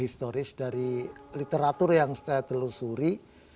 sebuah penelitian yang telusuri